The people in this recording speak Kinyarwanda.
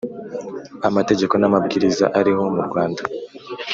amategeko n’amabwiriza ariho mu Rwanda